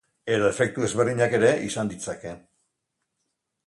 Edo efektu ezberdinak ere izan ditzake.